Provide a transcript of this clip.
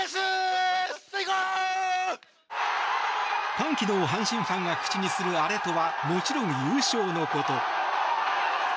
歓喜の阪神ファンが口にするアレとはもちろん、優勝のこと。